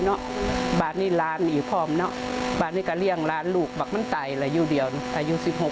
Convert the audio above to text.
กำลังทำงานศาสตร์นี้กัน